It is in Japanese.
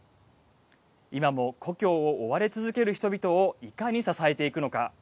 今も故郷を追われ続ける人々をいかに支えていくのか。